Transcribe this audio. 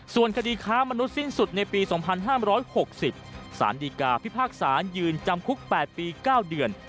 ส่วนคดีค้ามนุษยสิ้นสุดในปี๒๕๖๐สารดีกาพิพากษายืนจำคุก๘ปี๙เดือน